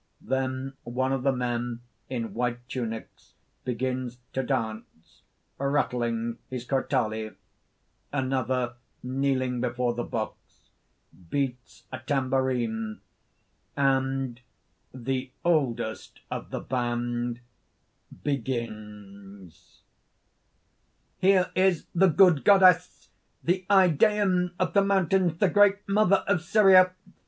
Then one of the men in white tunics begins to dance, rattling his crotali; another, kneeling before the box, beats a tambourine and_ ) THE OLDEST OF THE BAND, begins: "Here is the Good Goddess, the Idæan of the mountains, the Great Mother of Syria!